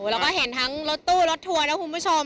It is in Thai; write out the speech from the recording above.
แล้วก็เห็นทั้งรถตู้รถทัวร์นะคุณผู้ชม